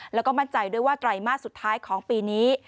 แล้วก็มั่นใจด้วยว่าไตรมาสสุดท้ายของปีนี้